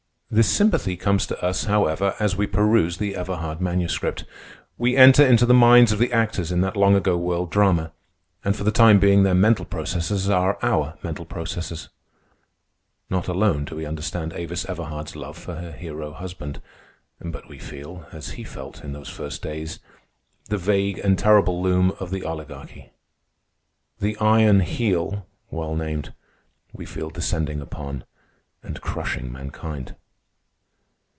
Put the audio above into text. This sympathy comes to us, however, as we peruse the Everhard Manuscript. We enter into the minds of the actors in that long ago world drama, and for the time being their mental processes are our mental processes. Not alone do we understand Avis Everhard's love for her hero husband, but we feel, as he felt, in those first days, the vague and terrible loom of the Oligarchy. The Iron Heel (well named) we feel descending upon and crushing mankind.